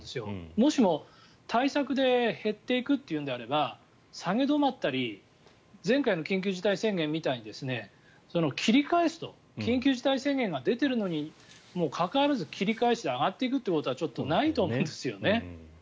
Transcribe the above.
もしも、対策で減っていくというのであれば下げ止まったり前回の緊急事態宣言みたいに切り返すと、緊急事態宣言が出てるのにもかかわらず切り返して上がっていくのはないと思うんですよね。